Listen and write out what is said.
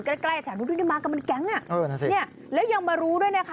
ใกล้ใกล้ถามทุกที่มากันมันแก๊งน่ะเออน่าสิเนี่ยแล้วยังมารู้ด้วยนะคะ